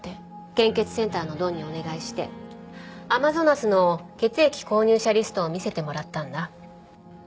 献血センターのドンにお願いしてアマゾナスの血液購入者リストを見せてもらったんだ。